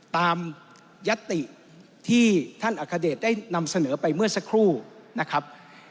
ตามยัตติที่ท่านอัคเดชได้นำเสนอไปเมื่อสักครู่นะครับ